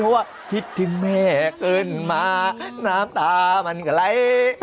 ที่ว่าคิดถึงแม่ขึ้นมาน้ำตามันก็ไล่